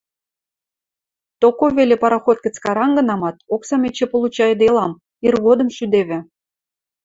– Токо веле пароход гӹц карангынамат, оксам эче получайыделам, иргодым шӱдевӹ...